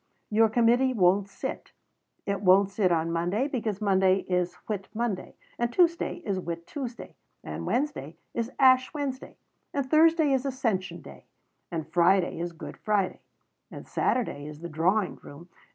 Your Committee won't sit. It won't sit on Monday because Monday is Whit Monday. And Tuesday is Whit Tuesday. And Wednesday is Ash Wednesday. And Thursday is Ascension Day. And Friday is Good Friday. And Saturday is the Drawing Room.